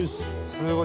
すごい。